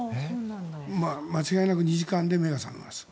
間違いなく２時間で目が覚めます。